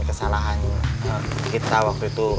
kesalahan kita waktu itu